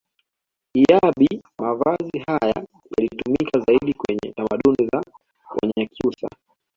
Iyabi mavazi haya yalitumika zaidi kwenye tamaduni za wanyakyusa